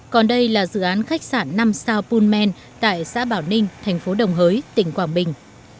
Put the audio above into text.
còn đây là dự án khách sạn năm sao punman tại xã bảo ninh thành phố đồng hới tỉnh quảng bình